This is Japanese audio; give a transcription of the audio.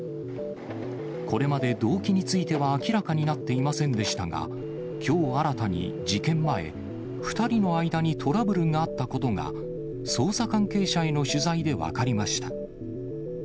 これまで動機については、明らかになっていませんでしたが、きょう新たに事件前、２人の間にトラブルがあったことが、捜査関係者への取材で分かりました。